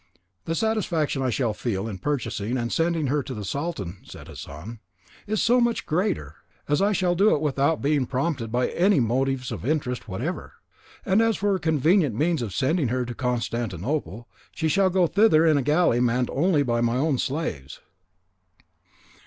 "The satisfaction I shall feel in purchasing and sending her to the Sultan," said Hassan, "is so much the greater, as I shall do it without being prompted by any motives of interest whatever. And as for a convenient means of sending her to Constantinople, she shall go thither in a galley manned only by my own slaves."